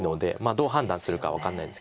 どう判断するか分かんないですけど。